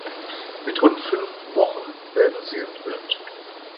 Mit rund fünf Wochen werden sie entwöhnt.